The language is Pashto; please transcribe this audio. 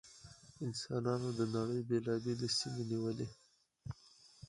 انسانانو د نړۍ بېلابېلې سیمې ونیولې.